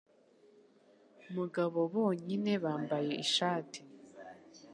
Mubagabo bonyine bambaye ishati-